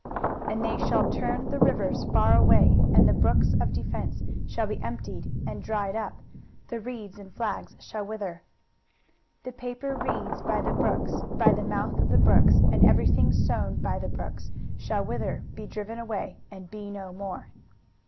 23:019:006 And they shall turn the rivers far away; and the brooks of defence shall be emptied and dried up: the reeds and flags shall wither. 23:019:007 The paper reeds by the brooks, by the mouth of the brooks, and every thing sown by the brooks, shall wither, be driven away, and be no more.